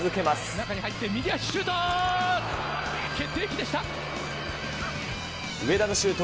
中に入って、右足、シュート。